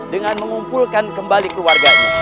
dengan mengumpulkan kembali keluarganya